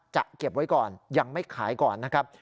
เก็บไว้ก่อนยังไม่ขายก่อนนะครับ